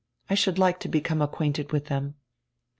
I should like to become acquainted with diem."